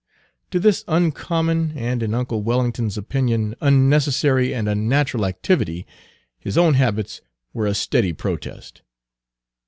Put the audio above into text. To this uncommon, and in uncle Wellington's opinion unnecessary and unnatural activity, his own habits were a steady protest.